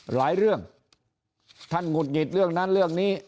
หลายเรื่องท่านหงุดหงิดเรื่องนั้นเรื่องนี้